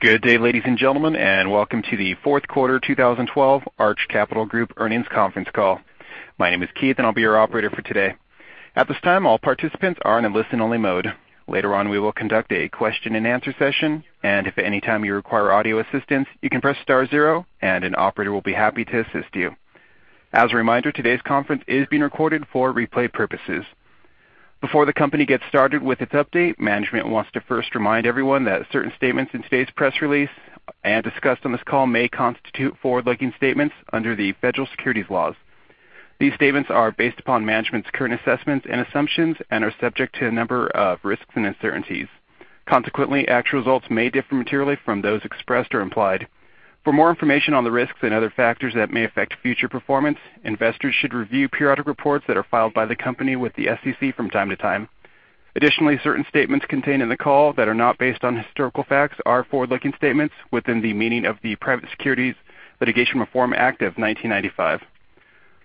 Good day, ladies and gentlemen. Welcome to the fourth quarter 2012 Arch Capital Group earnings conference call. My name is Keith and I'll be your operator for today. At this time, all participants are in a listen only mode. Later on, we will conduct a question and answer session. If at any time you require audio assistance, you can press star zero and an operator will be happy to assist you. As a reminder, today's conference is being recorded for replay purposes. Before the company gets started with its update, management wants to first remind everyone that certain statements in today's press release and discussed on this call may constitute forward-looking statements under the Federal securities laws. These statements are based upon management's current assessments and assumptions and are subject to a number of risks and uncertainties. Consequently, actual results may differ materially from those expressed or implied. For more information on the risks and other factors that may affect future performance, investors should review periodic reports that are filed by the company with the SEC from time to time. Additionally, certain statements contained in the call that are not based on historical facts are forward-looking statements within the meaning of the Private Securities Litigation Reform Act of 1995.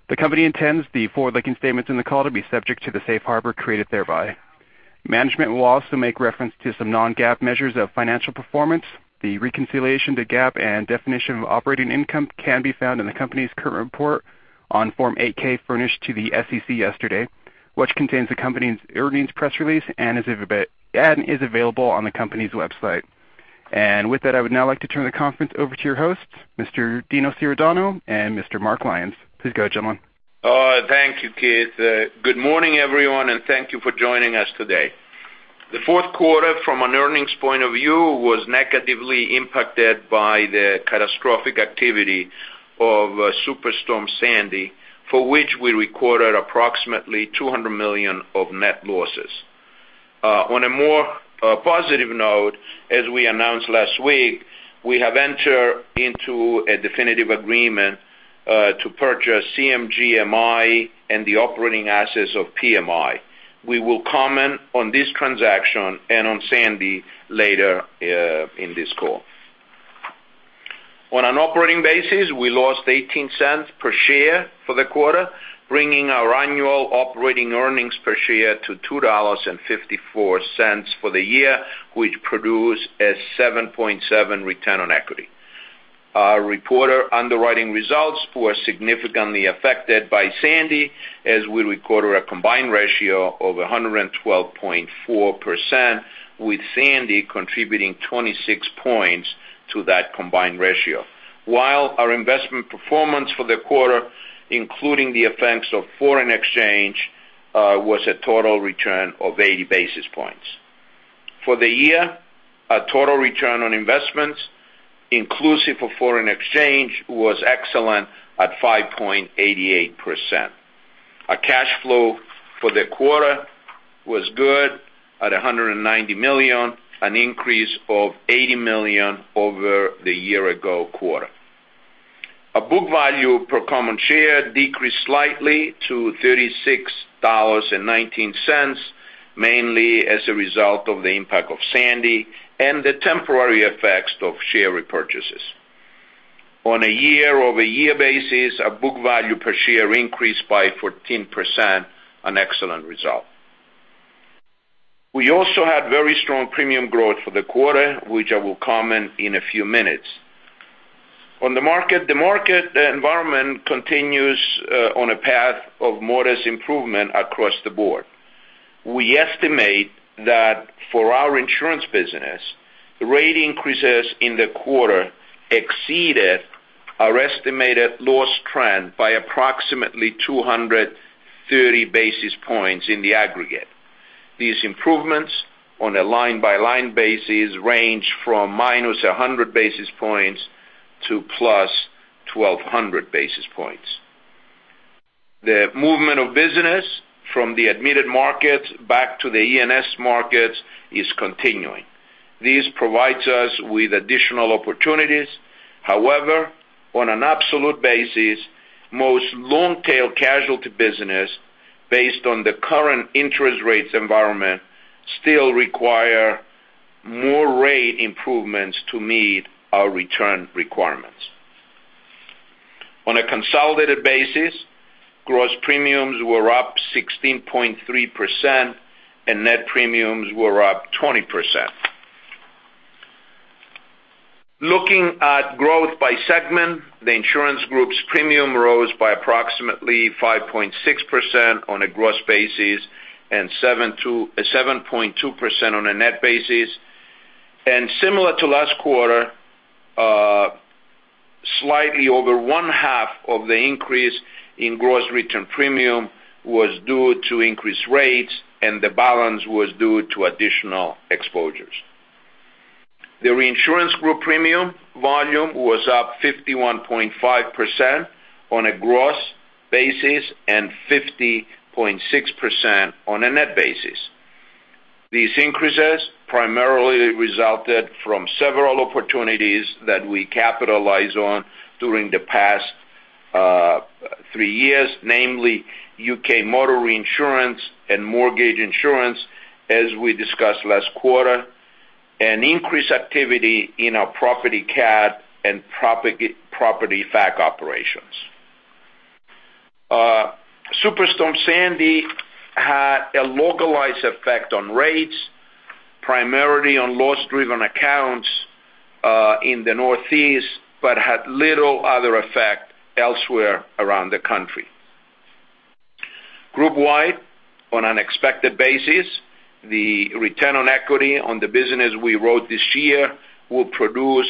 The company intends the forward-looking statements in the call to be subject to the safe harbor created thereby. Management will also make reference to some non-GAAP measures of financial performance. The reconciliation to GAAP and definition of operating income can be found in the company's current report on Form 8-K furnished to the SEC yesterday, which contains the company's earnings press release and is available on the company's website. With that, I would now like to turn the conference over to your hosts, Mr. Dinos Iordanou and Mr. Mark Lyons. Please go, gentlemen. Thank you, Keith. Good morning, everyone. Thank you for joining us today. The fourth quarter from an earnings point of view was negatively impacted by the catastrophic activity of Superstorm Sandy, for which we recorded approximately $200 million of net losses. On a more positive note, as we announced last week, we have entered into a definitive agreement to purchase CMG MI and the operating assets of PMI. We will comment on this transaction and on Sandy later in this call. On an operating basis, we lost $0.18 per share for the quarter, bringing our annual operating earnings per share to $2.54 for the year, which produced a 7.7% return on equity. Our reported underwriting results were significantly affected by Sandy, as we recorded a combined ratio of 112.4%, with Sandy contributing 26 points to that combined ratio. While our investment performance for the quarter, including the effects of foreign exchange, was a total return of 80 basis points. For the year, our total return on investments, inclusive of foreign exchange, was excellent at 5.88%. Our cash flow for the quarter was good at $190 million, an increase of $80 million over the year ago quarter. Our book value per common share decreased slightly to $36.19, mainly as a result of the impact of Sandy and the temporary effects of share repurchases. On a year-over-year basis, our book value per share increased by 14%, an excellent result. We also had very strong premium growth for the quarter, which I will comment in a few minutes. On the market, the market environment continues on a path of modest improvement across the board. We estimate that for our insurance business, rate increases in the quarter exceeded our estimated loss trend by approximately 230 basis points in the aggregate. These improvements on a line-by-line basis range from -100 basis points to +1,200 basis points. The movement of business from the admitted market back to the E&S markets is continuing. This provides us with additional opportunities. However, on an absolute basis, most long-tail casualty business based on the current interest rates environment still require more rate improvements to meet our return requirements. On a consolidated basis, gross premiums were up 16.3% and net premiums were up 20%. Looking at growth by segment, the insurance group's premium rose by approximately 5.6% on a gross basis and 7.2% on a net basis. Similar to last quarter, slightly over one half of the increase in gross written premium was due to increased rates, and the balance was due to additional exposures. The reinsurance group premium volume was up 51.5% on a gross basis and 50.6% on a net basis. These increases primarily resulted from several opportunities that we capitalized on during the past three years, namely U.K. motor reinsurance and mortgage insurance, as we discussed last quarter, and increased activity in our property cat and property FAC operations. Superstorm Sandy had a localized effect on rates, primarily on loss-driven accounts, in the Northeast, but had little other effect elsewhere around the country. Group wide, on an expected basis, the return on equity on the business we wrote this year will produce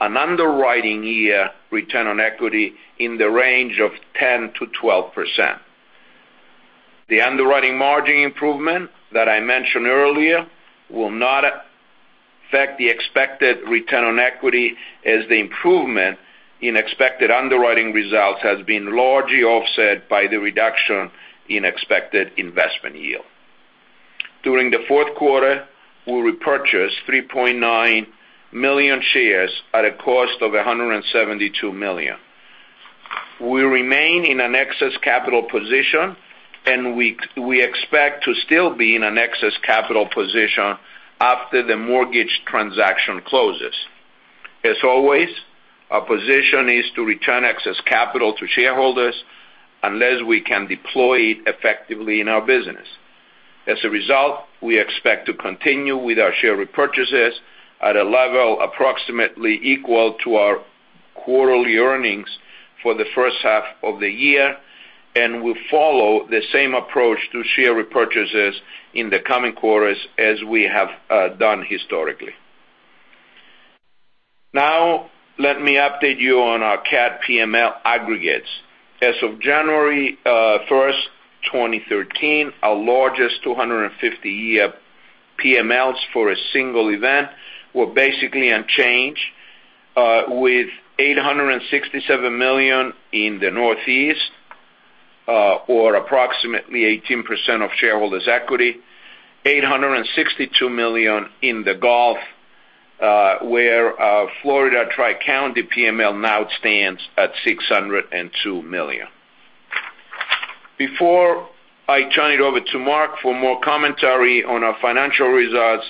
an underwriting year return on equity in the range of 10%-12%. The underwriting margin improvement that I mentioned earlier will not affect the expected return on equity as the improvement in expected underwriting results has been largely offset by the reduction in expected investment yield. During the fourth quarter, we repurchased 3.9 million shares at a cost of $172 million. We remain in an excess capital position, and we expect to still be in an excess capital position after the mortgage transaction closes. As always, our position is to return excess capital to shareholders unless we can deploy it effectively in our business. As a result, we expect to continue with our share repurchases at a level approximately equal to our quarterly earnings for the first half of the year, and we'll follow the same approach to share repurchases in the coming quarters as we have done historically. Now let me update you on our PML aggregates. As of January 1st, 2013, our largest 250 year PMLs for a single event were basically unchanged, with $867 million in the Northeast, or approximately 18% of shareholders' equity, $862 million in the Gulf, where our Florida Tri-County PML now stands at $602 million. Before I turn it over to Mark for more commentary on our financial results,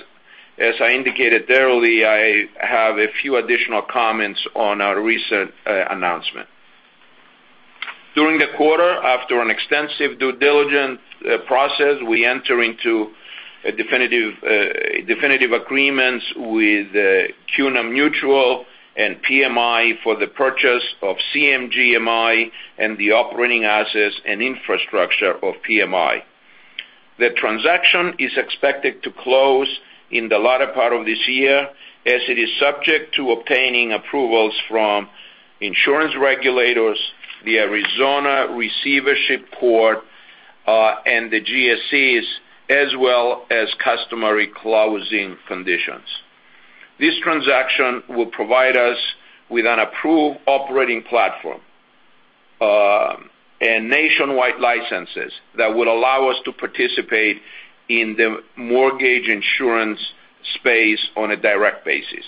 as I indicated earlier, I have a few additional comments on our recent announcement. During the quarter, after an extensive due diligence process, we enter into definitive agreements with CUNA Mutual and PMI for the purchase of CMG MI and the operating assets and infrastructure of PMI. The transaction is expected to close in the latter part of this year, as it is subject to obtaining approvals from insurance regulators, the Arizona receivership court, and the GSEs, as well as customary closing conditions. This transaction will provide us with an approved operating platform, and nationwide licenses that will allow us to participate in the mortgage insurance space on a direct basis.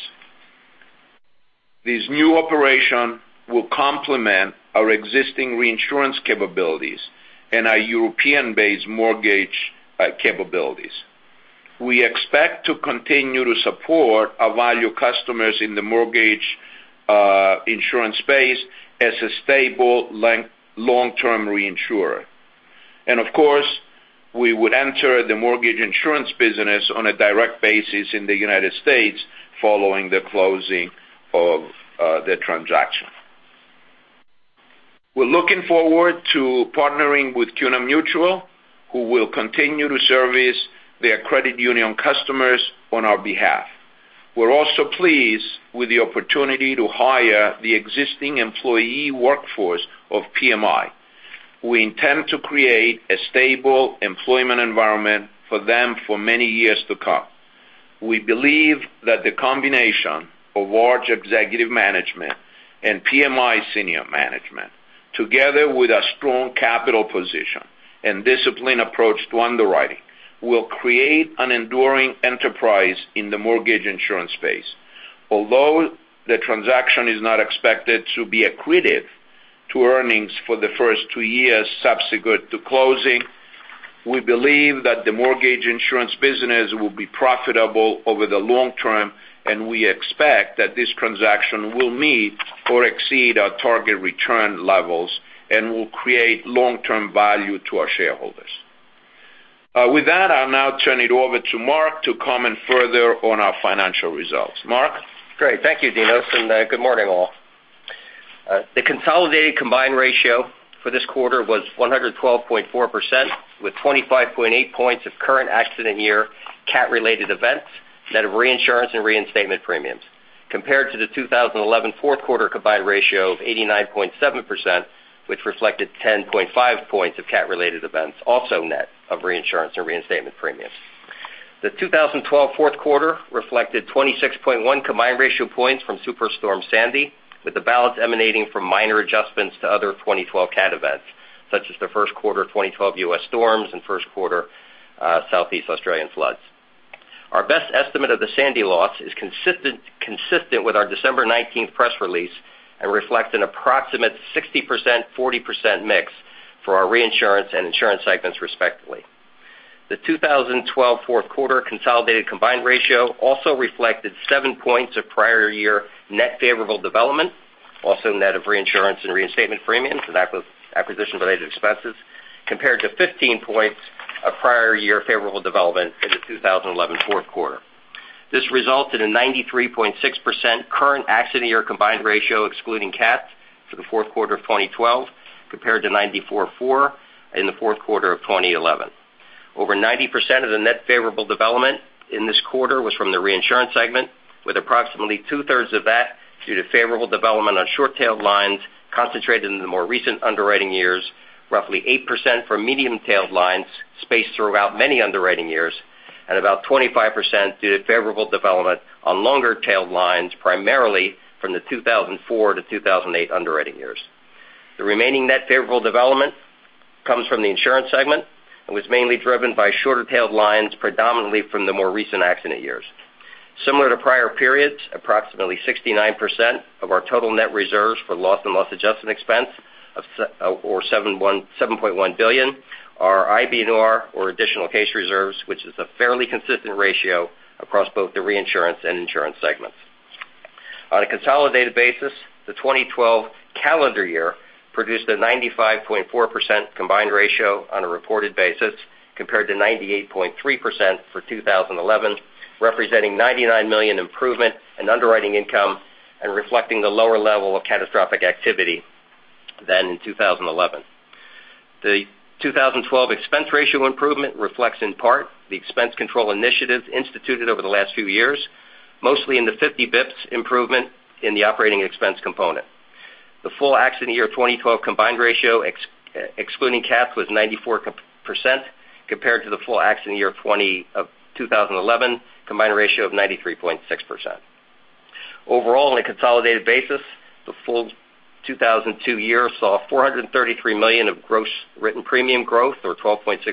This new operation will complement our existing reinsurance capabilities and our European-based mortgage capabilities. We expect to continue to support our value customers in the mortgage insurance space as a stable, long-term reinsurer. Of course, we would enter the mortgage insurance business on a direct basis in the United States following the closing of the transaction. We're looking forward to partnering with CUNA Mutual, who will continue to service their credit union customers on our behalf. We're also pleased with the opportunity to hire the existing employee workforce of PMI. We intend to create a stable employment environment for them for many years to come. We believe that the combination of large executive management and PMI senior management, together with a strong capital position and disciplined approach to underwriting, will create an enduring enterprise in the mortgage insurance space. Although the transaction is not expected to be accretive to earnings for the first two years subsequent to closing, we believe that the mortgage insurance business will be profitable over the long term. We expect that this transaction will meet or exceed our target return levels and will create long-term value to our shareholders. With that, I'll now turn it over to Mark to comment further on our financial results. Mark? Great. Thank you, Dinos. Good morning, all. The consolidated combined ratio for this quarter was 112.4%, with 25.8 points of current accident year CAT related events, net of reinsurance and reinstatement premiums, compared to the 2011 fourth quarter combined ratio of 89.7%, which reflected 10.5 points of CAT related events, also net of reinsurance and reinstatement premiums. The 2012 fourth quarter reflected 26.1 combined ratio points from Superstorm Sandy, with the balance emanating from minor adjustments to other 2012 CAT events, such as the first quarter 2012 U.S. storms and first quarter Southeast Australian floods. Our best estimate of the Sandy loss is consistent with our December 19th press release and reflects an approximate 60%/40% mix for our reinsurance and insurance segments, respectively. The 2012 fourth quarter consolidated combined ratio also reflected seven points of prior year net favorable development, also net of reinsurance and reinstatement premiums and acquisition-related expenses, compared to 15 points of prior year favorable development in the 2011 fourth quarter. This resulted in 93.6% current accident year combined ratio, excluding CAT, for the fourth quarter of 2012 compared to 94.4% in the fourth quarter of 2011. Over 90% of the net favorable development in this quarter was from the reinsurance segment, with approximately two-thirds of that due to favorable development on short-tailed lines concentrated in the more recent underwriting years, roughly 8% from medium-tailed lines spaced throughout many underwriting years, and about 25% due to favorable development on longer-tailed lines, primarily from the 2004-2008 underwriting years. The remaining net favorable development comes from the insurance segment and was mainly driven by shorter-tailed lines, predominantly from the more recent accident years. Similar to prior periods, approximately 69% of our total net reserves for loss and loss adjustment expense, or $7.1 billion, are IBNR or additional case reserves, which is a fairly consistent ratio across both the reinsurance and insurance segments. On a consolidated basis, the 2012 calendar year produced a 95.4% combined ratio on a reported basis, compared to 98.3% for 2011, representing a $99 million improvement in underwriting income and reflecting the lower level of catastrophic activity than in 2011. The 2012 expense ratio improvement reflects in part the expense control initiatives instituted over the last few years, mostly in the 50 basis points improvement in the operating expense component. The full accident year 2012 combined ratio, excluding CAT, was 94%, compared to the full accident year of 2011 combined ratio of 93.6%. Overall, on a consolidated basis, the full 2012 year saw $433 million of gross written premium growth, or 12.6%,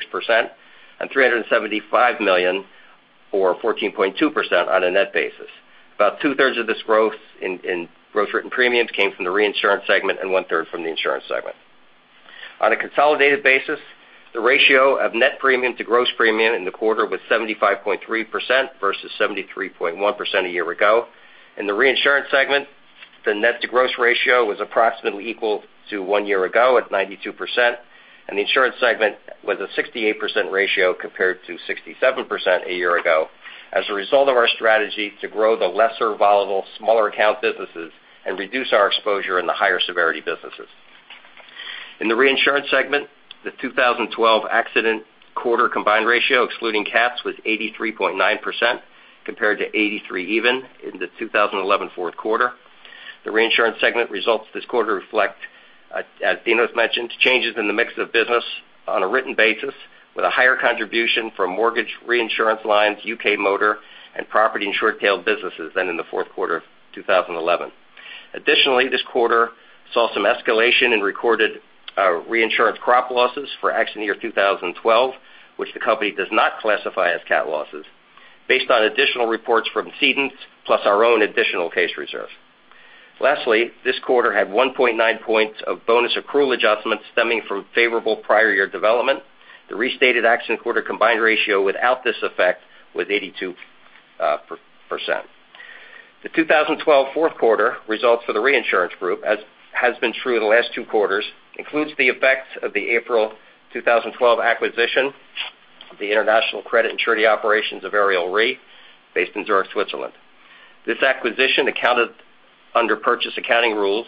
and $375 million, or 14.2%, on a net basis. About two-thirds of this growth in gross written premiums came from the reinsurance segment and one-third from the insurance segment. On a consolidated basis, the ratio of net premium to gross premium in the quarter was 75.3% versus 73.1% a year ago. In the reinsurance segment, the net to gross ratio was approximately equal to one year ago at 92%, and the insurance segment was a 68% ratio compared to 67% a year ago as a result of our strategy to grow the lesser volatile, smaller account businesses and reduce our exposure in the higher severity businesses. In the reinsurance segment, the 2012 accident quarter combined ratio, excluding CAT, was 83.9%, compared to 83% in the 2011 fourth quarter. The reinsurance segment results this quarter reflect, as Dinos mentioned, changes in the mix of business on a written basis with a higher contribution from mortgage reinsurance lines, U.K. motor, and property and short-tailed businesses than in the fourth quarter of 2011. Additionally, this quarter saw some escalation in recorded reinsurance crop losses for accident year 2012, which the company does not classify as CAT losses, based on additional reports from cedents, plus our own additional case reserve. Lastly, this quarter had 1.9 points of bonus accrual adjustments stemming from favorable prior year development. The restated accident quarter combined ratio without this effect was 82%. The 2012 fourth quarter results for the reinsurance group, as has been true in the last two quarters, includes the effects of the April 2012 acquisition of the international credit and treaty operations of Ariel Re based in Zurich, Switzerland. This acquisition accounted under purchase accounting rules,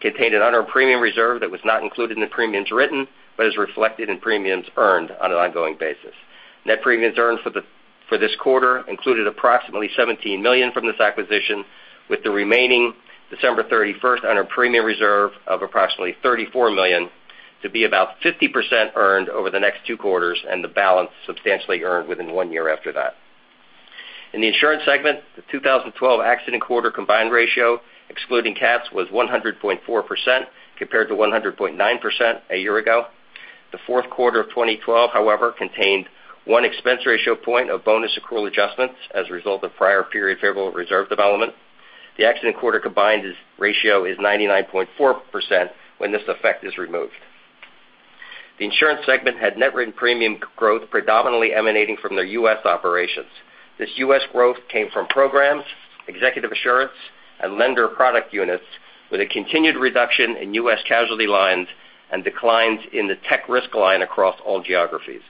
contained an unearned premium reserve that was not included in the premiums written but is reflected in premiums earned on an ongoing basis. Net premiums earned for this quarter included approximately $17 million from this acquisition, with the remaining December 31st unearned premium reserve of approximately $34 million to be about 50% earned over the next two quarters and the balance substantially earned within one year after that. In the insurance segment, the 2012 accident quarter combined ratio, excluding CAT, was 100.4% compared to 100.9% a year ago. The fourth quarter of 2012, however, contained one expense ratio point of bonus accrual adjustments as a result of prior period favorable reserve development. The accident quarter combined ratio is 99.4% when this effect is removed. The insurance segment had net written premium growth predominantly emanating from their U.S. operations. This U.S. growth came from programs, executive assurance, and lender product units with a continued reduction in U.S. casualty lines and declines in the tech risk line across all geographies.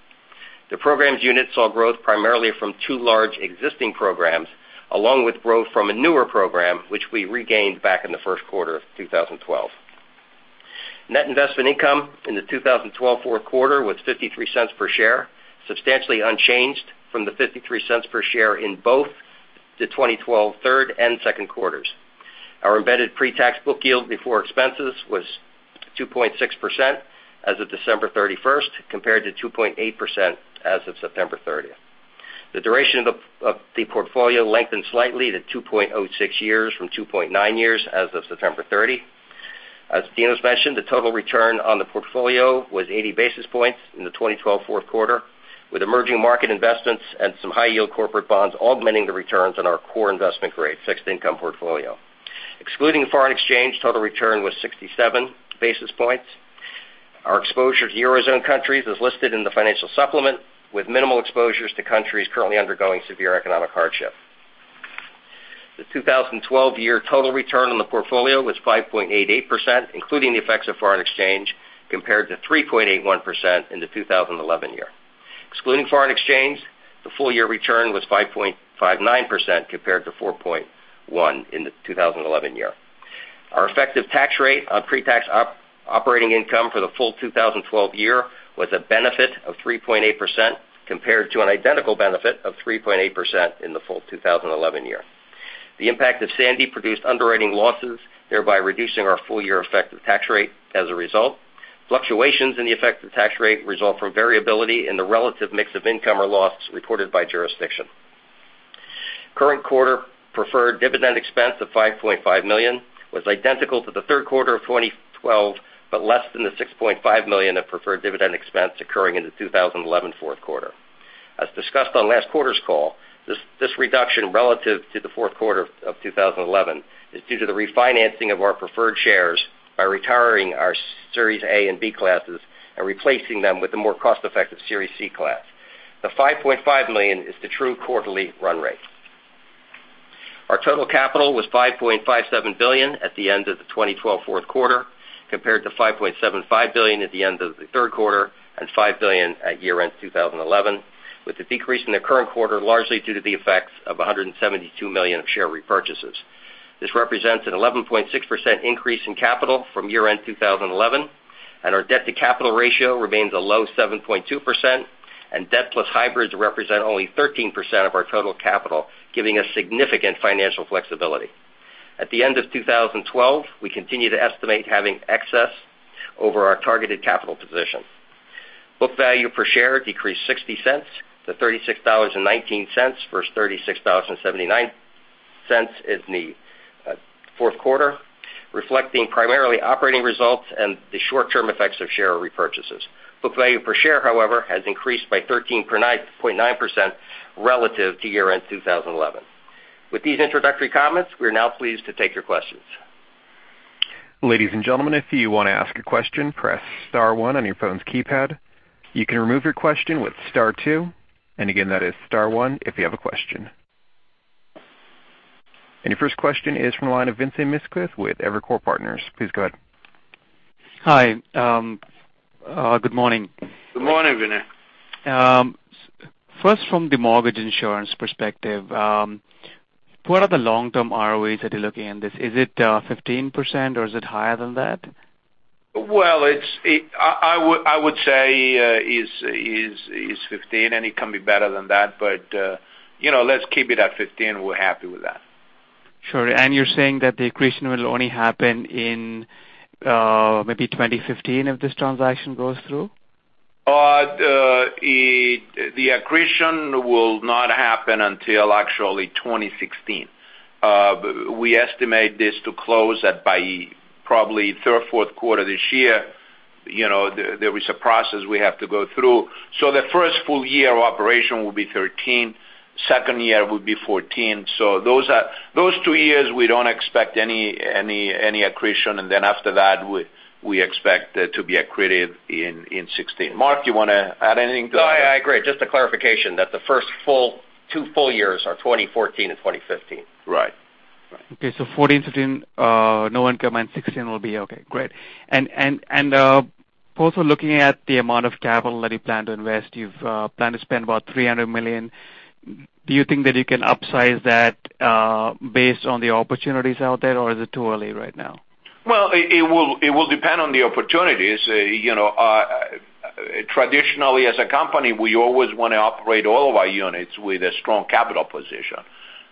The programs unit saw growth primarily from two large existing programs, along with growth from a newer program, which we regained back in the first quarter of 2012. Net investment income in the 2012 fourth quarter was $0.53 per share, substantially unchanged from the $0.53 per share in both the 2012 third and second quarters. Our embedded pre-tax book yield before expenses was 2.6% as of December 31st compared to 2.8% as of September 30th. The duration of the portfolio lengthened slightly to 2.06 years from 2.9 years as of September 30. As Dinos mentioned, the total return on the portfolio was 80 basis points in the 2012 fourth quarter, with emerging market investments and some high yield corporate bonds augmenting the returns on our core investment grade fixed income portfolio. Excluding foreign exchange, total return was 67 basis points. Our exposure to Eurozone countries is listed in the financial supplement, with minimal exposures to countries currently undergoing severe economic hardship. The 2012 year total return on the portfolio was 5.88%, including the effects of foreign exchange, compared to 3.81% in the 2011 year. Excluding foreign exchange, the full year return was 5.59% compared to 4.1% in the 2011 year. Our effective tax rate on pre-tax operating income for the full 2012 year was a benefit of 3.8%, compared to an identical benefit of 3.8% in the full 2011 year. The impact of Sandy produced underwriting losses, thereby reducing our full year effective tax rate as a result. Fluctuations in the effective tax rate result from variability in the relative mix of income or loss reported by jurisdiction. Current quarter preferred dividend expense of $5.5 million was identical to the third quarter of 2012, but less than the $6.5 million of preferred dividend expense occurring in the 2011 fourth quarter. As discussed on last quarter's call, this reduction relative to the fourth quarter of 2011 is due to the refinancing of our preferred shares by retiring our Series A and B classes and replacing them with the more cost-effective Series C class. The $5.5 million is the true quarterly run rate. Our total capital was $5.57 billion at the end of the 2012 fourth quarter, compared to $5.75 billion at the end of the third quarter and $5 billion at year-end 2011, with the decrease in the current quarter largely due to the effects of $172 million of share repurchases. This represents an 11.6% increase in capital from year-end 2011, and our debt-to-capital ratio remains a low 7.2%, and debt plus hybrids represent only 13% of our total capital, giving us significant financial flexibility. At the end of 2012, we continue to estimate having excess over our targeted capital position. Book value per share decreased $0.60 to $36.19 versus $36.79 in the fourth quarter, reflecting primarily operating results and the short-term effects of share repurchases. Book value per share, however, has increased by 13.9% relative to year-end 2011. With these introductory comments, we are now pleased to take your questions. Ladies and gentlemen, if you want to ask a question, press star one on your phone's keypad. You can remove your question with star two, and again, that is star one if you have a question. Your first question is from the line of Vinay Misquith with Evercore Partners. Please go ahead. Hi. Good morning. Good morning, Vinay. From the mortgage insurance perspective, what are the long-term ROEs that you're looking in this? Is it 15% or is it higher than that? Well, I would say it is 15%, it can be better than that. Let's keep it at 15%, we're happy with that. Sure. You're saying that the accretion will only happen in maybe 2015 if this transaction goes through? The accretion will not happen until actually 2016. We estimate this to close by probably third, fourth quarter this year. There is a process we have to go through. The first full year of operation will be 2013, second year will be 2014. Those two years we don't expect any accretion, and then after that, we expect to be accreted in 2016. Mark, do you want to add anything to that? No, I agree. Just a clarification that the first two full years are 2014 and 2015. Right. Okay, 2014, 2016, no income, 2016 will be okay. Great. Also looking at the amount of capital that you plan to invest, you plan to spend about $300 million. Do you think that you can upsize that based on the opportunities out there, or is it too early right now? Well, it will depend on the opportunities. Traditionally, as a company, we always want to operate all of our units with a strong capital position.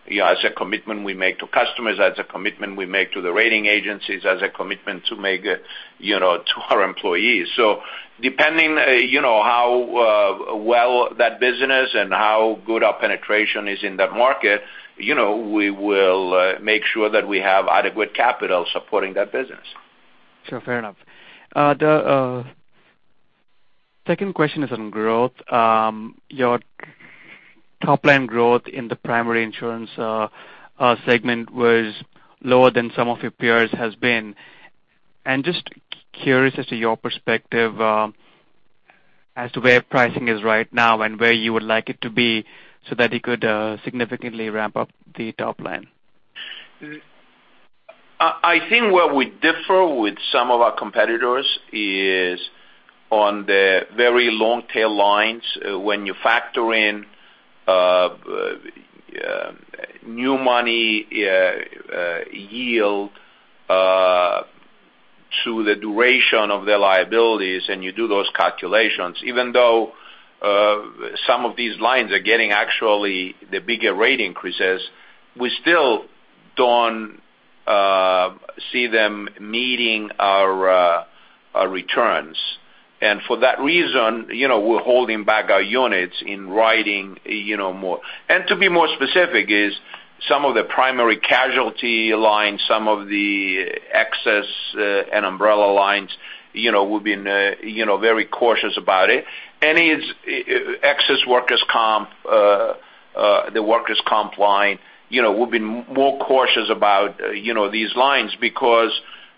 As a commitment we make to customers, as a commitment we make to the rating agencies, as a commitment to make to our employees. Depending how well that business and how good our penetration is in that market, we will make sure that we have adequate capital supporting that business. Sure, fair enough. The second question is on growth. Your top line growth in the primary insurance segment was lower than some of your peers has been. Just curious as to your perspective as to where pricing is right now and where you would like it to be so that it could significantly ramp up the top line. I think where we differ with some of our competitors is on the very long tail lines. When you factor in new money yield to the duration of the liabilities, and you do those calculations, even though some of these lines are getting actually the bigger rate increases, we still don't see them meeting our returns. For that reason, we're holding back our units in writing more. To be more specific is some of the primary casualty lines, some of the excess and umbrella lines, we've been very cautious about it. Any excess workers' comp The workers' comp line. We've been more cautious about these lines because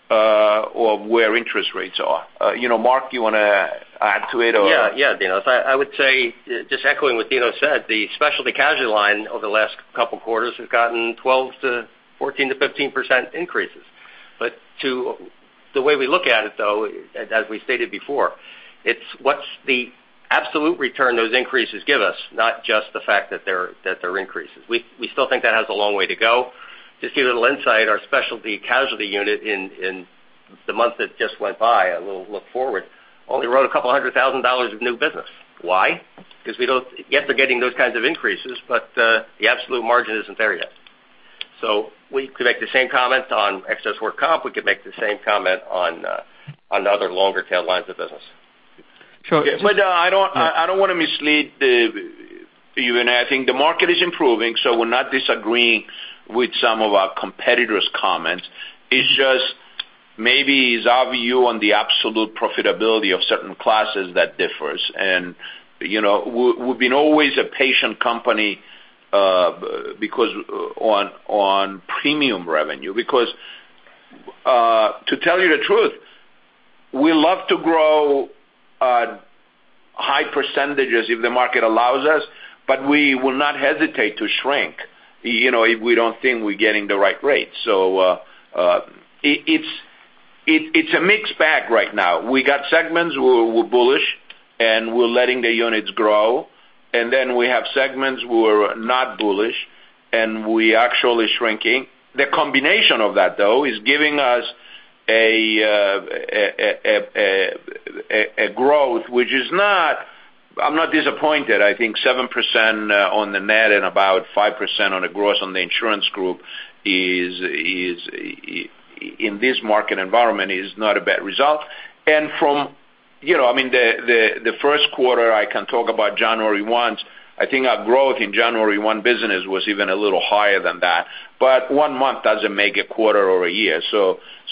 of where interest rates are. Mark, you want to add to it or? Yeah, Dino. I would say, just echoing what Dino said, the specialty casualty line over the last couple of quarters has gotten 12% to 14% to 15% increases. The way we look at it though, as we stated before, it's what's the absolute return those increases give us, not just the fact that they're increases. We still think that has a long way to go. Just give a little insight, our specialty casualty unit in the month that just went by, a little look forward, only wrote a couple of hundred thousand dollars of new business. Why? Because yes, they're getting those kinds of increases, but the absolute margin isn't there yet. We could make the same comment on excess workers' comp, we could make the same comment on other longer tail lines of business. I don't want to mislead you. I think the market is improving, so we're not disagreeing with some of our competitors' comments. It's just maybe it's our view on the absolute profitability of certain classes that differs. We've been always a patient company on premium revenue. Because to tell you the truth, we love to grow at high percentages if the market allows us, but we will not hesitate to shrink, if we don't think we're getting the right rate. It's a mixed bag right now. We got segments where we're bullish and we're letting the units grow, and then we have segments where we're not bullish, and we're actually shrinking. The combination of that though, is giving us a growth, which is not, I'm not disappointed. I think 7% on the net and about 5% on the gross on the insurance group, in this market environment, is not a bad result. From the first quarter, I can talk about January 1, I think our growth in January 1 business was even a little higher than that. One month doesn't make a quarter or a year.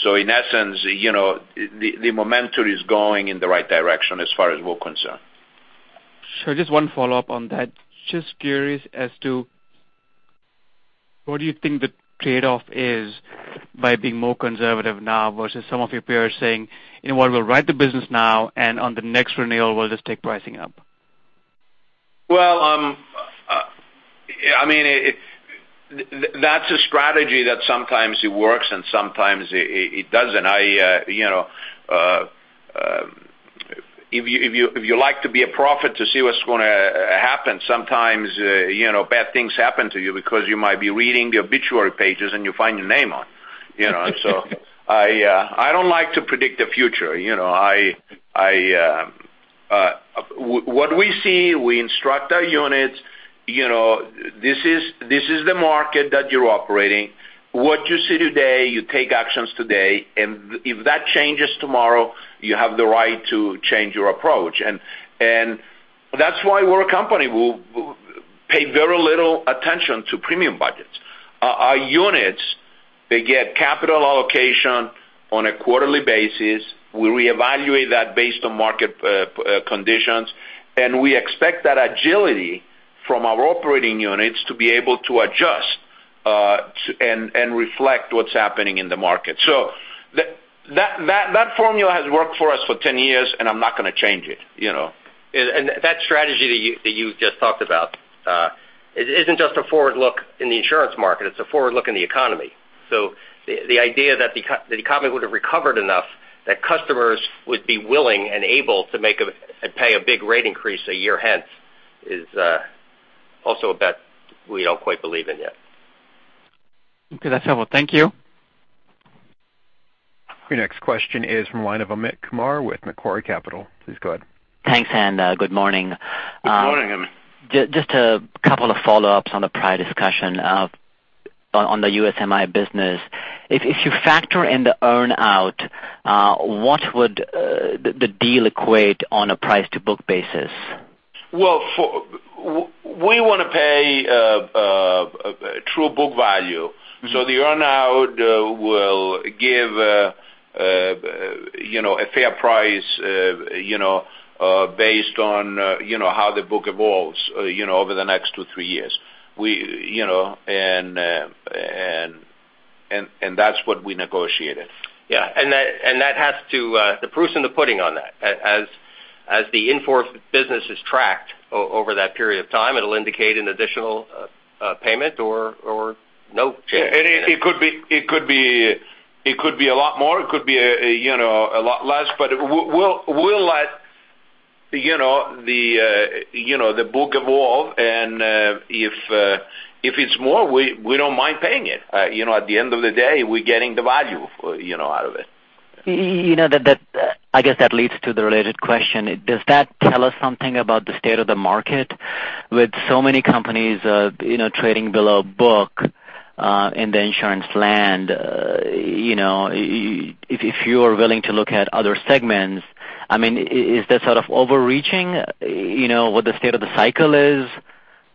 In essence, the momentum is going in the right direction as far as we're concerned. Sure. Just one follow-up on that. Just curious as to what do you think the trade-off is by being more conservative now versus some of your peers saying, "We'll write the business now and on the next renewal we'll just take pricing up"? Well, that's a strategy that sometimes it works and sometimes it doesn't. If you like to be a prophet to see what's going to happen, sometimes bad things happen to you because you might be reading the obituary pages and you find your name on it. I don't like to predict the future. What we see, we instruct our units, this is the market that you're operating. What you see today, you take actions today, and if that changes tomorrow, you have the right to change your approach. That's why we're a company who pay very little attention to premium budgets. Our units, they get capital allocation on a quarterly basis. We reevaluate that based on market conditions, and we expect that agility from our operating units to be able to adjust and reflect what's happening in the market. That formula has worked for us for 10 years, and I'm not going to change it. That strategy that you just talked about, isn't just a forward look in the insurance market, it's a forward look in the economy. The idea that the economy would have recovered enough that customers would be willing and able to pay a big rate increase a year hence is also a bet we don't quite believe in yet. Okay, that's helpful. Thank you. Your next question is from the line of Amit Kumar with Macquarie Capital. Please go ahead. Thanks, and good morning. Good morning, Amit. Just a couple of follow-ups on the prior discussion on the USMI business. If you factor in the earn-out, what would the deal equate on a price to book basis? Well, we want to pay true book value. The earn-out will give a fair price based on how the book evolves over the next two, three years. That's what we negotiated. Yeah. The proof's in the pudding on that. As the in-force business is tracked over that period of time, it'll indicate an additional payment or no change. It could be a lot more, it could be a lot less. We'll let the book evolve and if it's more, we don't mind paying it. At the end of the day, we're getting the value out of it. I guess that leads to the related question. Does that tell us something about the state of the market with so many companies trading below book in the insurance land? If you are willing to look at other segments, is that sort of overreaching what the state of the cycle is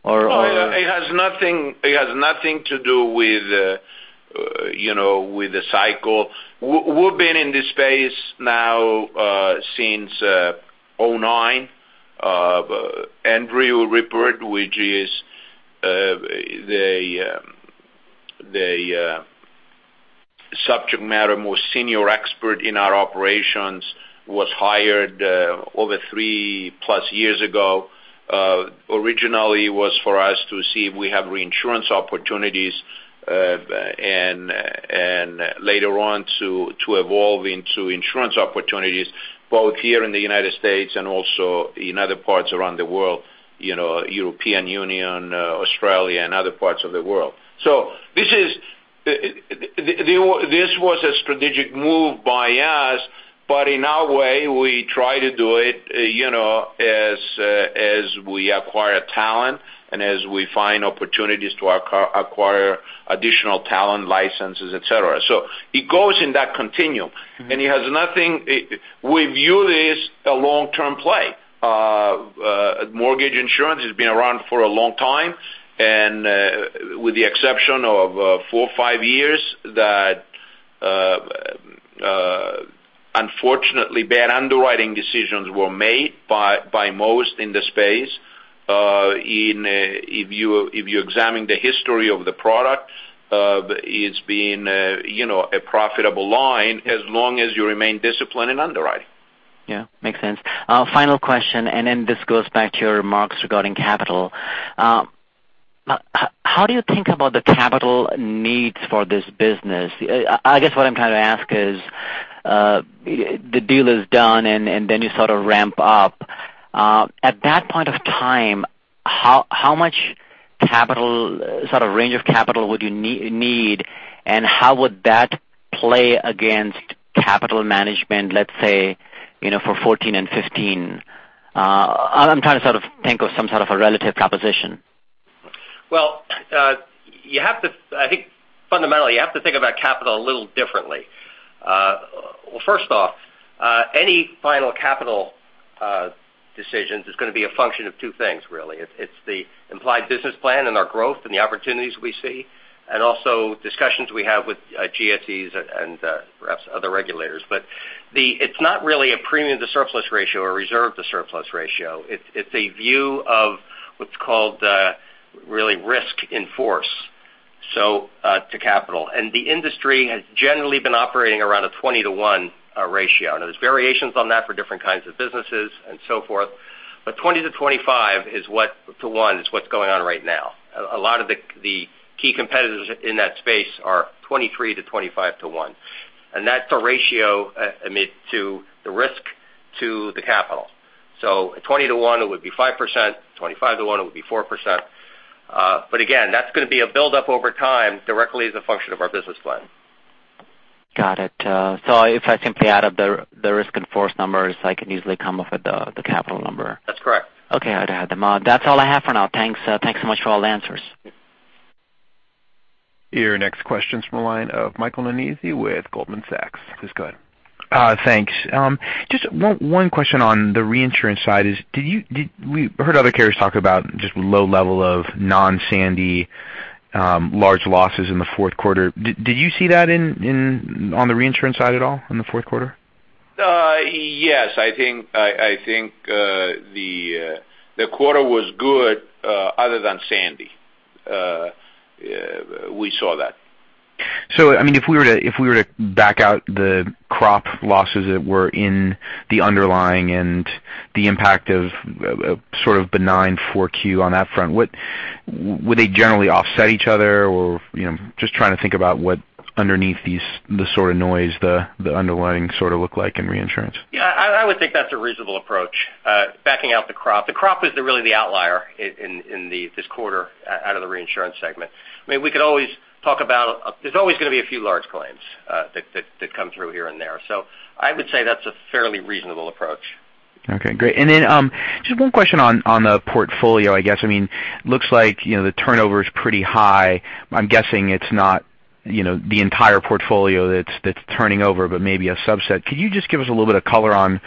or? It has nothing to do with the cycle. We've been in this space now since 2009. Andrew Rippert, which is the subject matter most senior expert in our operations, was hired over three plus years ago. Originally, it was for us to see if we have reinsurance opportunities, and later on, to evolve into insurance opportunities, both here in the U.S. and also in other parts around the world, European Union, Australia, and other parts of the world. This was a strategic move by us. In our way, we try to do it as we acquire talent and as we find opportunities to acquire additional talent, licenses, et cetera. It goes in that continuum. We view this a long-term play. Mortgage insurance has been around for a long time, and with the exception of four or five years that unfortunately bad underwriting decisions were made by most in the space. If you examine the history of the product, it's been a profitable line as long as you remain disciplined in underwriting. Yeah. Makes sense. Final question, then this goes back to your remarks regarding capital. How do you think about the capital needs for this business? I guess what I am trying to ask is, the deal is done, and then you sort of ramp up. At that point of time, how much range of capital would you need, and how would that play against capital management, let's say, for 2014 and 2015? I am trying to think of some sort of a relative proposition. Well, I think fundamentally, you have to think about capital a little differently. Well, first off, any final capital decisions is going to be a function of two things, really. It's the implied business plan and our growth and the opportunities we see, and also discussions we have with GSEs and perhaps other regulators. It's not really a premium to surplus ratio or reserve to surplus ratio. It's a view of what's called really risk in force to capital. The industry has generally been operating around a 20 to one ratio. There's variations on that for different kinds of businesses and so forth. 20 to 25 to one is what's going on right now. A lot of the key competitors in that space are 23 to 25 to one, and that's a ratio amid to the risk to the capital. At 20 to one, it would be 5%, 25 to one, it would be 4%. Again, that's going to be a buildup over time directly as a function of our business plan. Got it. If I simply add up the risk in force numbers, I can easily come up with the capital number. That's correct. Okay. I'd add them up. That's all I have for now. Thanks so much for all the answers. Your next question's from the line of Michael Nannizzi with Goldman Sachs. Please go ahead. Thanks. Just one question on the reinsurance side is, we heard other carriers talk about just low level of non-Sandy large losses in the fourth quarter. Did you see that on the reinsurance side at all in the fourth quarter? Yes. I think the quarter was good other than Sandy. We saw that. If we were to back out the crop losses that were in the underlying and the impact of sort of benign 4Q on that front, would they generally offset each other or just trying to think about what underneath the sort of noise, the underlying sort of look like in reinsurance? I would think that's a reasonable approach, backing out the crop. The crop is really the outlier in this quarter out of the reinsurance segment. There's always going to be a few large claims that come through here and there. I would say that's a fairly reasonable approach. Okay, great. Just one question on the portfolio, I guess. Looks like the turnover is pretty high. I'm guessing it's not the entire portfolio that's turning over, but maybe a subset. Could you just give us a little bit of color on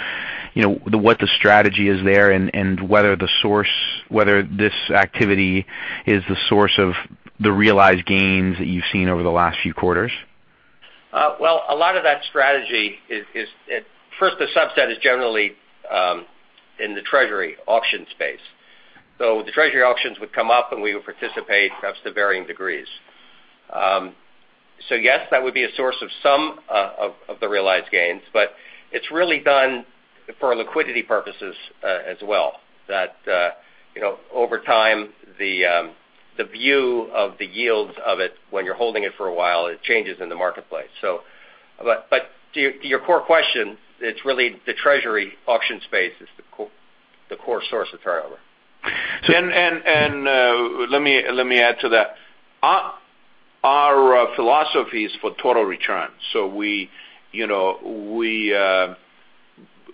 what the strategy is there and whether this activity is the source of the realized gains that you've seen over the last few quarters? Well, a lot of that strategy is, first, the subset is generally in the treasury auction space. The treasury auctions would come up, and we would participate perhaps to varying degrees. Yes, that would be a source of some of the realized gains, but it's really done for liquidity purposes as well, that over time, the view of the yields of it when you're holding it for a while, it changes in the marketplace. To your core question, it's really the treasury auction space is the core source of turnover. Let me add to that. Our philosophy is for total return.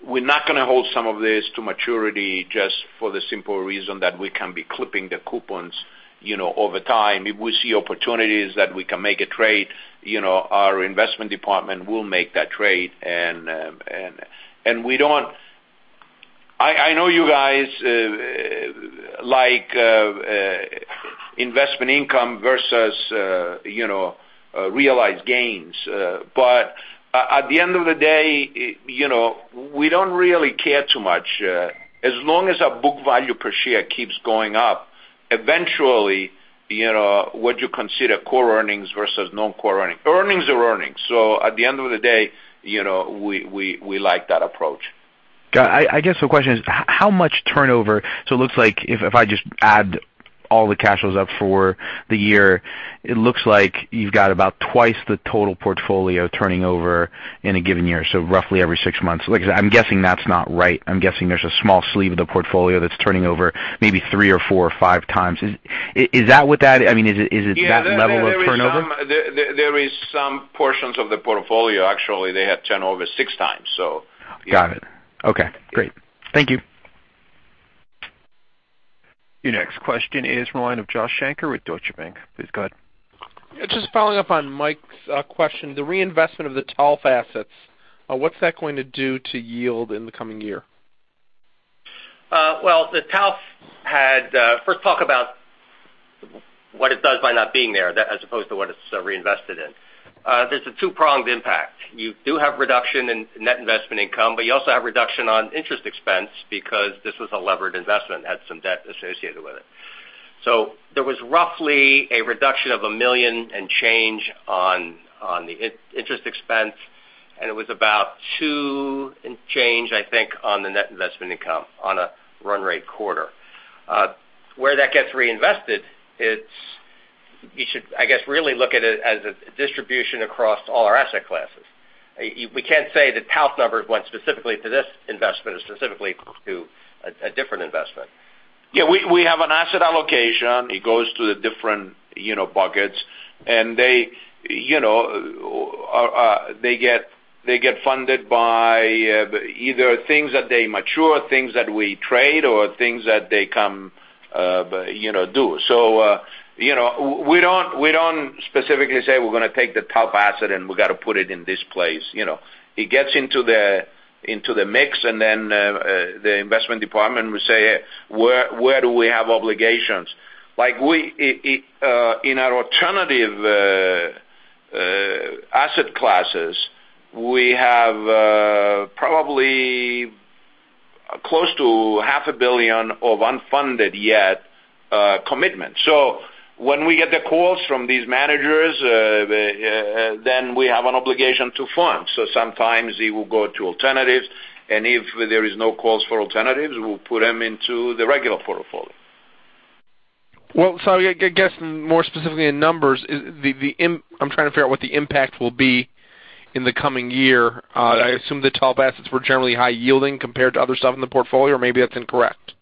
We're not going to hold some of this to maturity just for the simple reason that we can be clipping the coupons over time. If we see opportunities that we can make a trade, our investment department will make that trade. We don't I know you guys like investment income versus realized gains. At the end of the day, we don't really care too much. As long as our book value per share keeps going up, eventually, what you consider core earnings versus non-core earnings. Earnings are earnings. So at the end of the day, we like that approach. Got it. I guess the question is, how much turnover? It looks like if I just add all the cash flows up for the year, it looks like you've got about twice the total portfolio turning over in a given year. Roughly every six months. I'm guessing that's not right. I'm guessing there's a small sleeve of the portfolio that's turning over maybe three or four or five times. Is it that level of turnover? There is some portions of the portfolio, actually, they have turned over six times. Got it. Okay, great. Thank you. Your next question is from the line of Joshua Shanker with Deutsche Bank. Please go ahead. Just following up on Mike's question, the reinvestment of the TALF assets, what's that going to do to yield in the coming year? First talk about what it does by not being there, as opposed to what it's reinvested in. There's a two-pronged impact. You do have reduction in net investment income, but you also have reduction on interest expense because this was a levered investment, had some debt associated with it. There was roughly a reduction of $1 million and change on the interest expense, and it was about $2 and change, I think, on the net investment income on a run rate quarter. Where that gets reinvested, you should, I guess, really look at it as a distribution across all our asset classes. We can't say the TALF numbers went specifically to this investment or specifically to a different investment. Yeah, we have an asset allocation. It goes to the different buckets, and they get funded by either things that they mature, things that we trade or things that they come due. We don't specifically say we're going to take the TALF asset and we got to put it in this place. It gets into the mix and then the investment department will say, "Where do we have obligations?" Like in our alternative asset classes, we have probably close to half a billion of unfunded yet commitment. When we get the calls from these managers, then we have an obligation to fund. Sometimes it will go to alternatives, and if there is no calls for alternatives, we'll put them into the regular portfolio. Well, I guess more specifically in numbers, I'm trying to figure out what the impact will be in the coming year. I assume the TALF assets were generally high-yielding compared to other stuff in the portfolio, or maybe that's incorrect.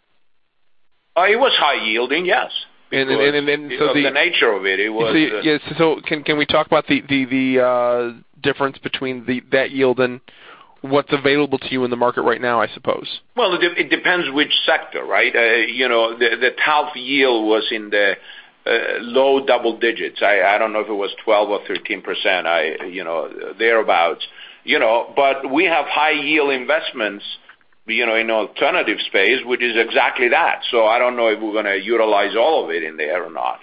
It was high-yielding, yes. The- Because of the nature of it. Can we talk about the difference between that yield and what's available to you in the market right now, I suppose? Well, it depends which sector, right? The TALF yield was in the low double digits. I don't know if it was 12% or 13%, thereabout. We have high yield investments in alternative space, which is exactly that. I don't know if we're going to utilize all of it in there or not.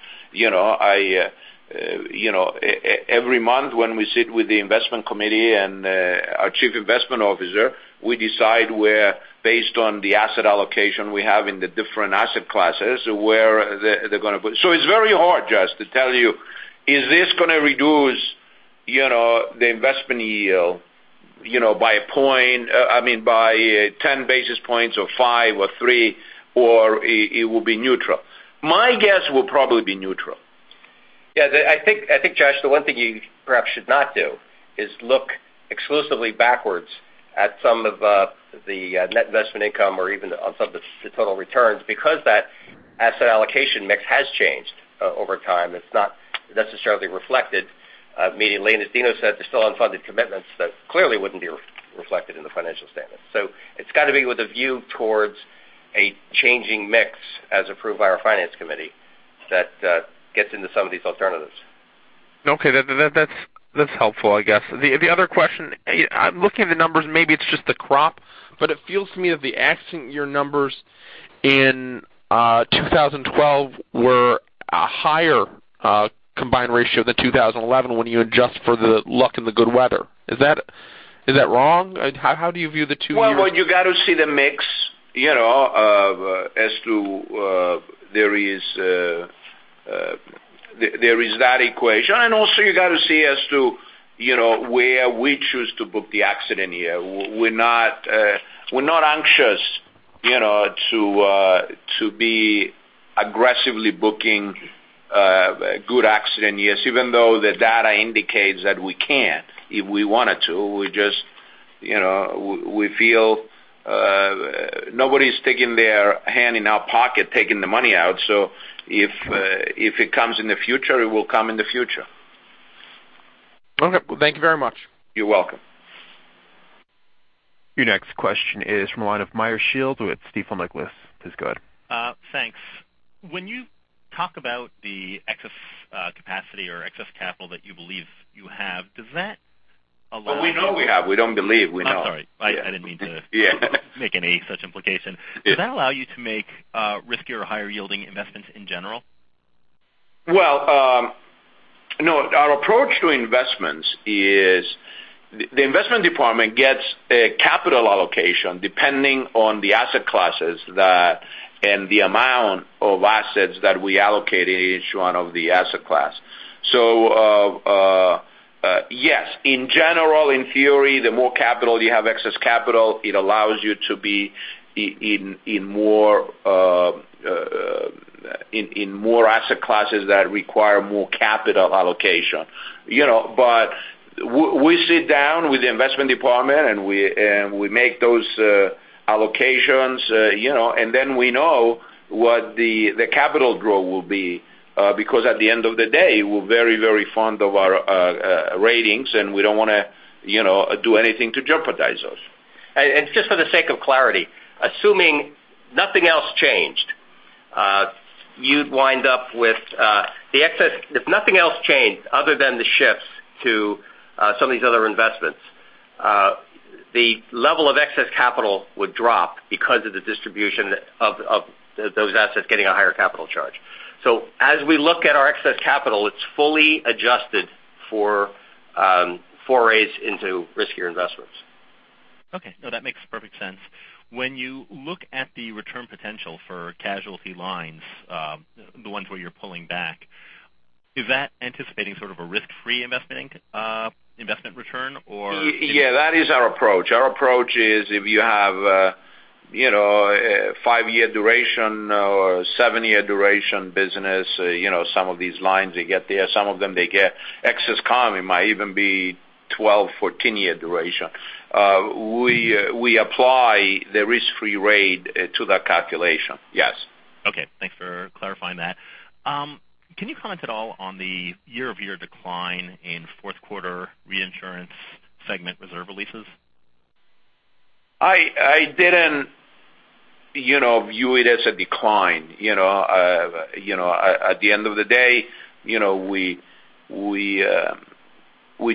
Every month when we sit with the investment committee and our chief investment officer, we decide where, based on the asset allocation we have in the different asset classes, where they're going to put it. It's very hard, Josh, to tell you, is this going to reduce the investment yield by 10 basis points or five or three, or it will be neutral. My guess, it will probably be neutral. Yeah. I think, Josh, the one thing you perhaps should not do is look exclusively backwards at some of the net investment income or even on some of the total returns, because that asset allocation mix has changed over time. It's not necessarily reflected immediately. As Dino said, there's still unfunded commitments that clearly wouldn't be reflected in the financial statement. It's got to be with a view towards a changing mix as approved by our finance committee that gets into some of these alternatives. Okay. That's helpful, I guess. The other question, looking at the numbers, maybe it's just the crop, but it feels to me that the accident year numbers in 2012 were a higher combined ratio than 2011 when you adjust for the luck and the good weather. Is that wrong? How do you view the two years? Well, you got to see the mix as to there is that equation. Also you got to see as to where we choose to book the accident year. We're not anxious to be aggressively booking good accident years, even though the data indicates that we can if we wanted to. We feel nobody's sticking their hand in our pocket, taking the money out. If it comes in the future, it will come in the future. Okay. Well, thank you very much. You're welcome. Your next question is from the line of Meyer Shields with Stifel Nicolaus. Please go ahead. Thanks. When you talk about the excess capacity or excess capital that you believe you have, does that Oh, we know we have. We don't believe, we know. I'm sorry. I didn't mean to- Yeah. make any such implication. Yes. Does that allow you to make riskier or higher yielding investments in general? Well, no. Our approach to investments is the investment department gets a capital allocation depending on the asset classes and the amount of assets that we allocate in each one of the asset class. Yes. In general, in theory, the more capital you have, excess capital, it allows you to be in more asset classes that require more capital allocation. We sit down with the investment department, and we make those allocations, and then we know what the capital growth will be. At the end of the day, we're very fond of our ratings, and we don't want to do anything to jeopardize those. Just for the sake of clarity, assuming nothing else changed, you'd wind up with the excess. If nothing else changed other than the shifts to some of these other investments, the level of excess capital would drop because of the distribution of those assets getting a higher capital charge. As we look at our excess capital, it's fully adjusted for forays into riskier investments. Okay. No, that makes perfect sense. When you look at the return potential for casualty lines, the ones where you're pulling back, is that anticipating sort of a risk-free investment return or- Yeah, that is our approach. Our approach is if you have a five-year duration or seven-year duration business, some of these lines they get there, some of them they get excess economy might even be 12, 14-year duration. We apply the risk-free rate to that calculation. Yes. Okay. Thanks for clarifying that. Can you comment at all on the year-over-year decline in fourth quarter reinsurance segment reserve releases? I didn't view it as a decline. At the end of the day, we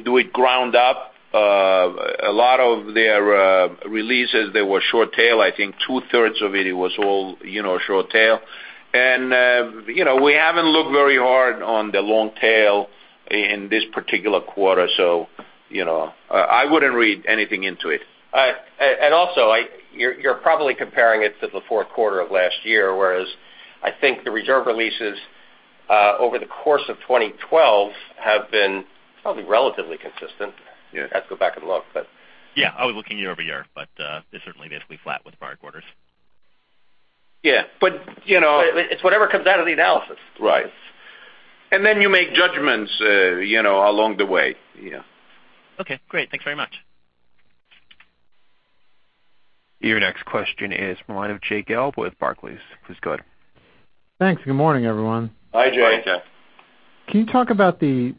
do it ground up. A lot of their releases, they were short tail. I think two-thirds of it was all short tail. We haven't looked very hard on the long tail in this particular quarter. I wouldn't read anything into it. You're probably comparing it to the fourth quarter of last year, whereas I think the reserve releases over the course of 2012 have been probably relatively consistent. Yeah. I'd have to go back and look but Yeah, I was looking year-over-year, but they're certainly basically flat with prior quarters. Yeah. It's whatever comes out of the analysis. Right. Then you make judgments along the way. Yeah. Okay, great. Thanks very much. Your next question is from the line of Jay Gelb with Barclays. Please go ahead. Thanks. Good morning, everyone. Hi, Jay. Hi, Jay. Can you talk about the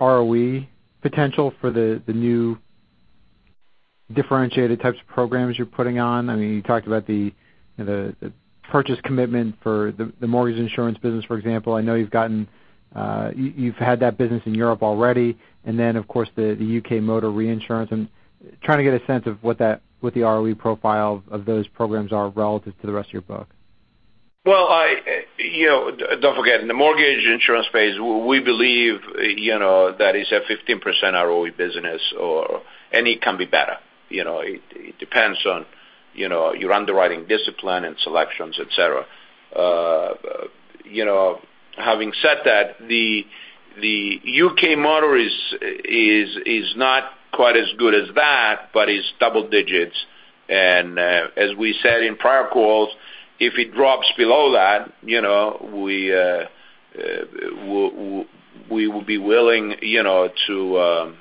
ROE potential for the new differentiated types of programs you're putting on? You talked about the purchase commitment for the mortgage insurance business, for example. I know you've had that business in Europe already. Then, of course, the U.K. motor reinsurance. I'm trying to get a sense of what the ROE profile of those programs are relative to the rest of your book. Well, don't forget, in the mortgage insurance space, we believe that it's a 15% ROE business, and it can be better. It depends on your underwriting discipline and selections, et cetera. Having said that, the U.K. motor is not quite as good as that, but it's double digits. As we said in prior calls, if it drops below that, we will be willing to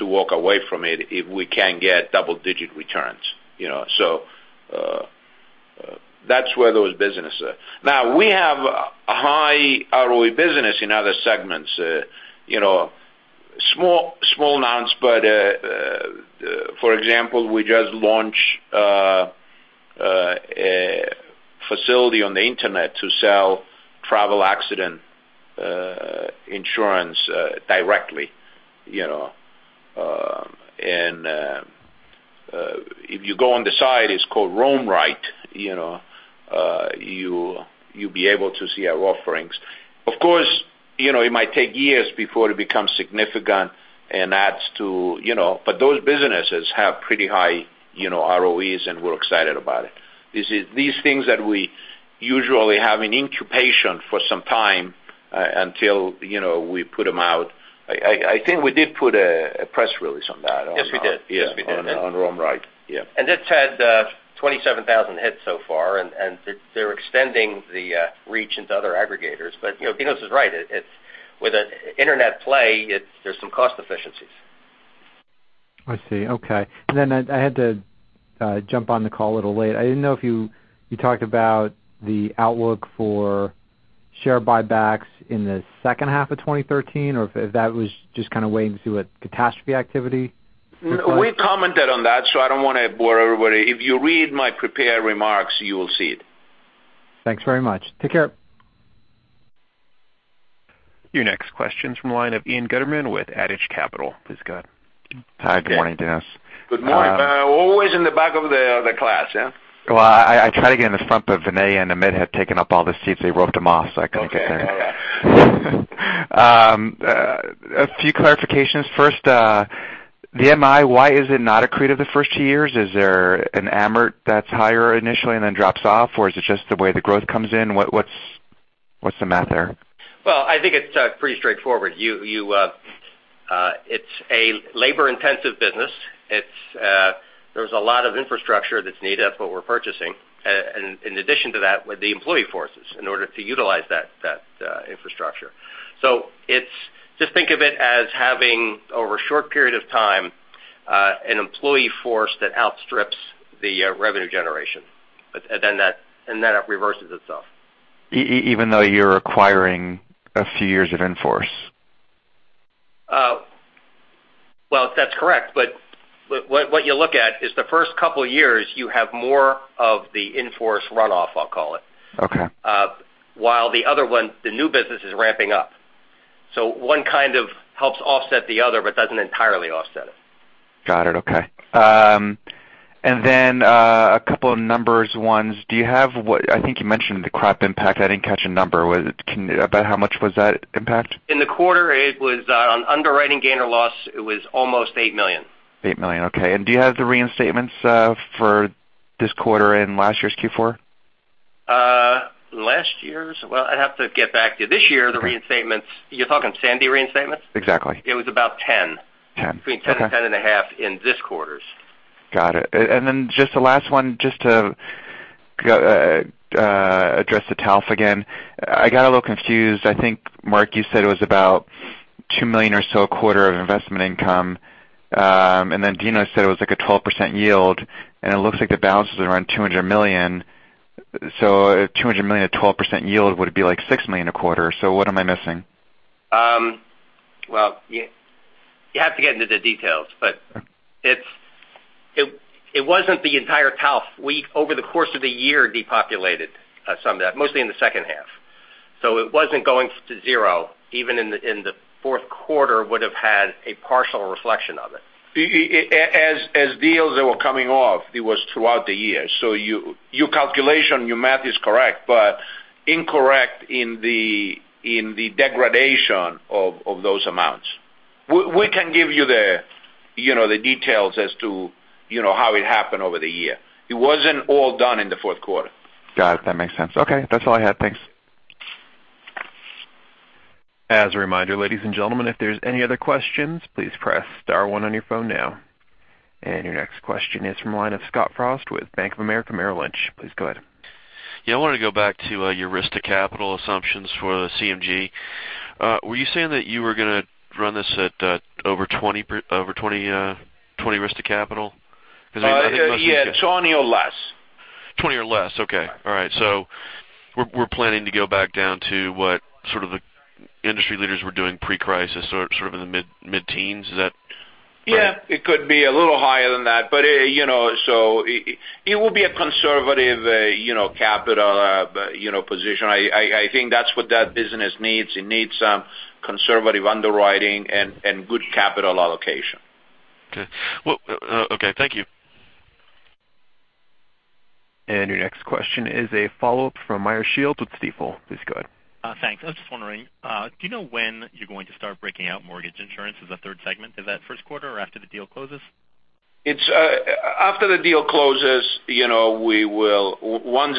walk away from it if we can't get double-digit returns. That's where those businesses are. We have high ROE business in other segments. Small amounts, but for example, we just launched a facility on the internet to sell travel accident insurance directly. If you go on the site, it's called RoamRight, you'll be able to see our offerings. Of course, it might take years before it becomes significant and adds to But those businesses have pretty high ROEs, and we're excited about it. These things that we usually have in incubation for some time until we put them out. I think we did put a press release on that. Yes, we did on RoamRight. Yeah. It's had 27,000 hits so far, they're extending the reach into other aggregators. Dinos is right. With an internet play, there's some cost efficiencies. I see. Okay. I had to jump on the call a little late. I didn't know if you talked about the outlook for share buybacks in the second half of 2013, or if that was just kind of waiting to see what catastrophe activity requires. We commented on that, so I don't want to bore everybody. If you read my prepared remarks, you will see it. Thanks very much. Take care. Your next question is from the line of Ian Gutterman with Adage Capital. Please go ahead. Hi, good morning, Dinos. Good morning. Always in the back of the class, yeah? Well, I try to get in the front, but Vinay and Amit had taken up all the seats. They roped them off, so I couldn't fit there. Okay. All right. A few clarifications. First, the MI, why is it not accretive the first two years? Is there an AMRT that's higher initially and then drops off? Is it just the way the growth comes in? What's the math there? Well, I think it's pretty straightforward. It's a labor-intensive business. There's a lot of infrastructure that's needed, that's what we're purchasing. In addition to that, with the employee forces in order to utilize that infrastructure. Just think of it as having, over a short period of time, an employee force that outstrips the revenue generation. Then that reverses itself. Even though you're acquiring a few years of in-force? Well, that's correct. What you look at is the first couple of years you have more of the in-force runoff, I'll call it. Okay. While the other one, the new business, is ramping up. One kind of helps offset the other, but doesn't entirely offset it. Got it. Okay. Then, a couple of numbers ones. I think you mentioned the crop impact. I didn't catch a number. About how much was that impact? In the quarter, on underwriting gain or loss, it was almost $8 million. $8 million. Okay. Do you have the reinstatements for this quarter and last year's Q4? Last year's? Well, I'd have to get back to you. This year, the reinstatements, you're talking Sandy reinstatements? Exactly. It was about 10. 10. Okay. Between 10 and 10 and a half in this quarter's. Got it. Just the last one, just to address the TALF again. I got a little confused. I think, Mark, you said it was about $2 million or so a quarter of investment income. Dino said it was like a 12% yield, and it looks like the balance was around $200 million. $200 million at 12% yield would be like $6 million a quarter. What am I missing? You have to get into the details, but it wasn't the entire TALF. Over the course of the year, we depopulated some of that, mostly in the second half. It wasn't going to zero. Even in the fourth quarter, it would have had a partial reflection of it. As deals that were coming off, it was throughout the year. Your calculation, your math is correct, but incorrect in the degradation of those amounts. We can give you the details as to how it happened over the year. It wasn't all done in the fourth quarter. Got it. That makes sense. Okay, that's all I had. Thanks. As a reminder, ladies and gentlemen, if there's any other questions, please press star one on your phone now. Your next question is from the line of Scott Frost with Bank of America Merrill Lynch. Please go ahead. Yeah, I want to go back to your risk to capital assumptions for the CMG. Were you saying that you were going to run this at over 20 risk to capital? Is that? Yeah, 20 or less. 20 or less. Okay. All right. We're planning to go back down to what sort of the industry leaders were doing pre-crisis, sort of in the mid-teens. Is that right? Yeah. It could be a little higher than that, it will be a conservative capital position. I think that's what that business needs. It needs some conservative underwriting and good capital allocation. Okay. Thank you. Your next question is a follow-up from Meyer Shields with Stifel. Please go ahead. Thanks. I was just wondering, do you know when you're going to start breaking out mortgage insurance as a third segment? Is that first quarter or after the deal closes? It's after the deal closes. Once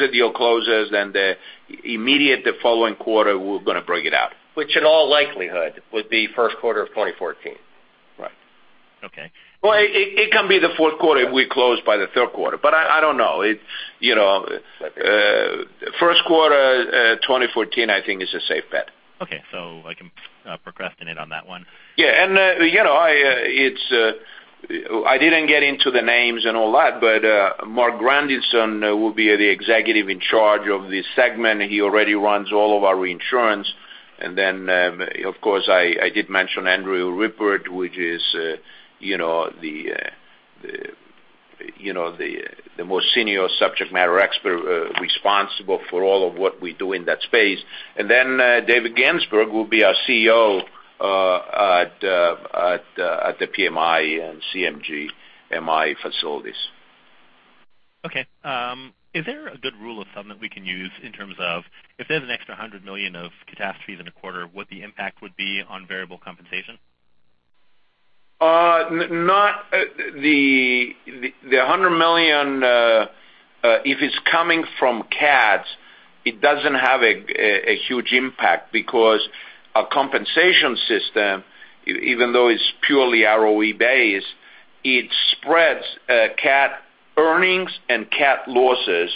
the deal closes, the immediate following quarter, we're going to break it out. Which in all likelihood, would be first quarter of 2014. Right. Okay. Well, it can be the fourth quarter if we close by the third quarter, I don't know. First quarter 2014, I think, is a safe bet. Okay. I can procrastinate on that one. Yeah. I didn't get into the names and all that, but Marc Grandisson will be the executive in charge of this segment. He already runs all of our reinsurance. Then, of course, I did mention Andrew Rippert, which is the most senior subject matter expert responsible for all of what we do in that space. Then David Gansberg will be our CEO at the PMI and CMG MI facilities. Okay. Is there a good rule of thumb that we can use in terms of if there's an extra $100 million of catastrophes in a quarter, what the impact would be on variable compensation? The $100 million if it's coming from CATs, it doesn't have a huge impact because our compensation system, even though it's purely ROE based, it spreads CAT earnings and CAT losses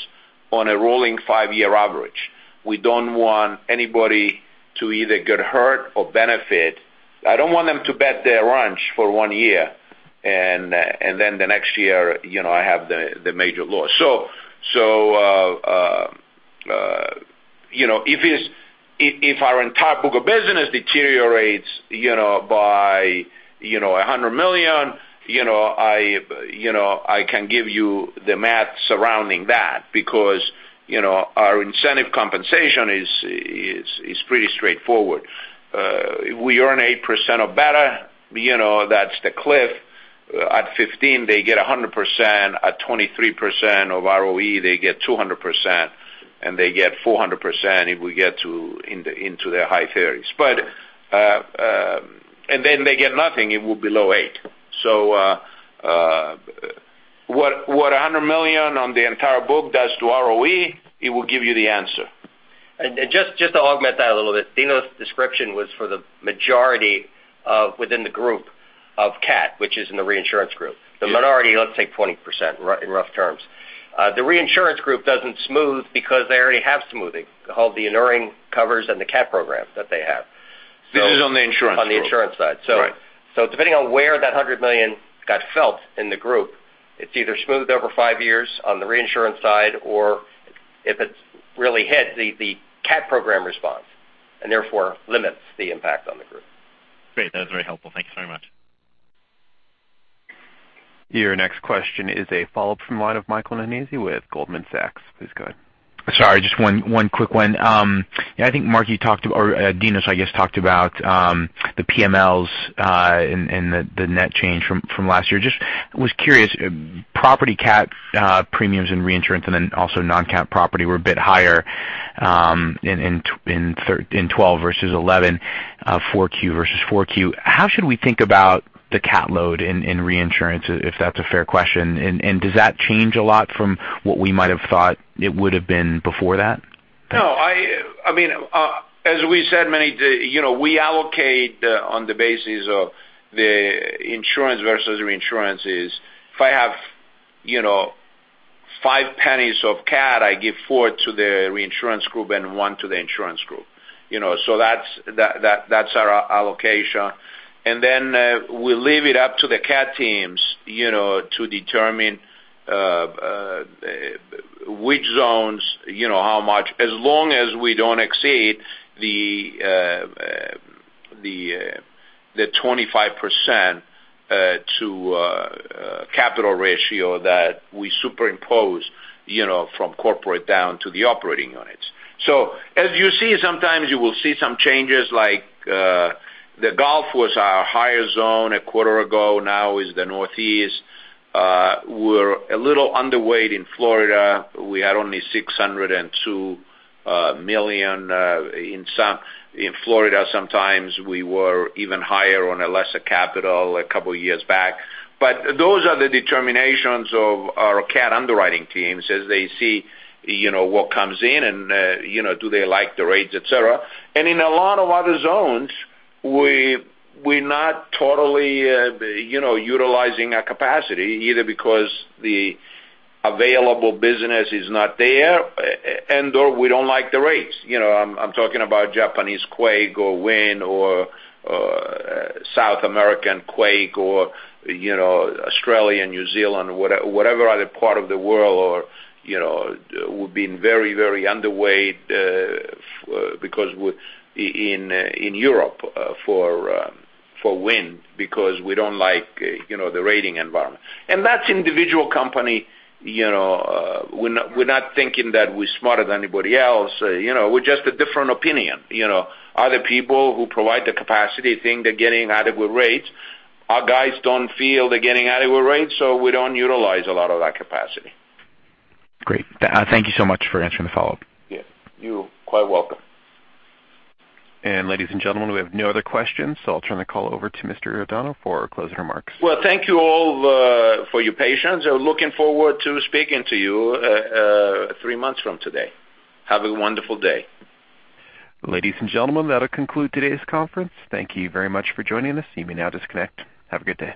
on a rolling five-year average. We don't want anybody to either get hurt or benefit. I don't want them to bet their ranch for one year, then the next year I have the major loss. If our entire book of business deteriorates by $100 million, I can give you the math surrounding that because our incentive compensation is pretty straightforward. We earn 8% or better, that's the cliff. At 15%, they get 100%. At 23% of ROE, they get 200%, and they get 400% if we get into the high 30s%. Then they get nothing, it will be low 8%. What $100 million on the entire book does to ROE, it will give you the answer. Just to augment that a little bit, Dinos' description was for the majority within the group of CAT, which is in the reinsurance group. The minority, let's say 20%, in rough terms. The reinsurance group doesn't smooth because they already have smoothing, called the inuring covers and the CAT program that they have. This is on the insurance group. On the insurance side. Right. Depending on where that $100 million got felt in the group, it's either smoothed over 5 years on the reinsurance side, or if it's really hit, the CAT program responds, and therefore limits the impact on the group. Great. That was very helpful. Thanks very much. Your next question is a follow-up from the line of Michael Nannizzi with Goldman Sachs. Please go ahead. Sorry, just one quick one. I think Mark, you talked, or Dinos, I guess, talked about the PMLs and the net change from last year. Just was curious, property CAT premiums and reinsurance and then also non-CAT property were a bit higher in 2012 versus 2011, 4Q versus 4Q. How should we think about the CAT load in reinsurance, if that's a fair question? Does that change a lot from what we might have thought it would have been before that? No. As we said, we allocate on the basis of the insurance versus the reinsurance is, if I have five pennies of CAT, I give four to the reinsurance group and one to the insurance group. That's our allocation. Then we leave it up to the CAT teams to determine which zones, how much, as long as we don't exceed the 25% to capital ratio that we superimpose from corporate down to the operating units. As you see, sometimes you will see some changes like the Gulf was our higher zone a quarter ago, now is the Northeast. We're a little underweight in Florida. We had only $602 million in Florida. Sometimes we were even higher on a lesser capital a couple of years back. Those are the determinations of our CAT underwriting teams as they see what comes in, and do they like the rates, et cetera. In a lot of other zones, we're not totally utilizing our capacity, either because the available business is not there, and/or we don't like the rates. I'm talking about Japanese quake or wind or South American quake or Australia, New Zealand, whatever other part of the world, or we've been very underweight in Europe for wind because we don't like the rating environment. That's individual company. We're not thinking that we're smarter than anybody else. We're just a different opinion. Other people who provide the capacity think they're getting adequate rates. Our guys don't feel they're getting adequate rates, so we don't utilize a lot of that capacity. Great. Thank you so much for answering the follow-up. Yeah. You quite welcome. Ladies and gentlemen, we have no other questions, I'll turn the call over to Mr. Iordanou for closing remarks. Well, thank you all for your patience. Looking forward to speaking to you three months from today. Have a wonderful day. Ladies and gentlemen, that'll conclude today's conference. Thank you very much for joining us. You may now disconnect. Have a good day.